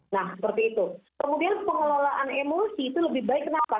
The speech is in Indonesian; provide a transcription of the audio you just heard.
nah seperti itu kemudian pengelolaan emosi itu lebih baik kenapa